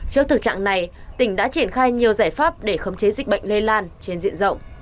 trước thực trạng này tỉnh đã triển khai nhiều giải pháp để khống chế dịch bệnh lây lan trên diện rộng